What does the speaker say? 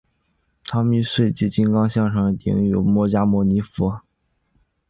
唐密秽迹金刚像上顶有释迦牟尼佛。